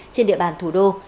trên địa bàn thủ đô